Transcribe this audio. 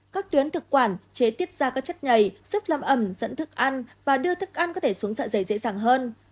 các tuyến thực quản chế tiết ra các chất nhảy giúp làm ẩm dẫn thức ăn và đưa thức ăn có thể xuống sợ dày dễ dàng hơn